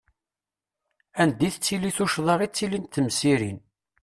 Anda i tettili tuccḍa i ttilint temsirin!